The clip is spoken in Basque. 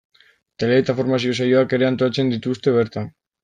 Tailer eta formazio saioak ere antolatzen dituzte bertan.